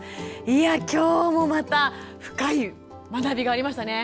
いやきょうもまた深い学びがありましたね。